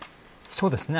そうですね。